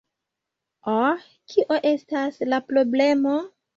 Oh, kio estas la problemo?